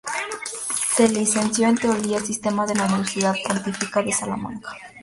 Se licenció en Teología Sistemática en la Universidad Pontificia de Salamanca.